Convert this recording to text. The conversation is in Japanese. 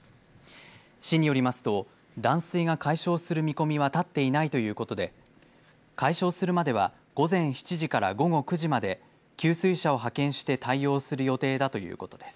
市によりますと断水が解消する見込みは立っていないということで解消するまでは午前７時から午後９時まで給水車を派遣して対応する予定だということです。